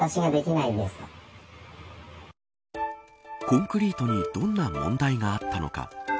コンクリートにどんな問題があったのか。